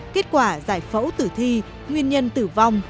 kết quả giải phẫu tử thi nguyên nhân tử vong